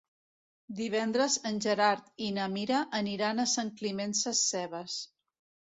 Divendres en Gerard i na Mira aniran a Sant Climent Sescebes.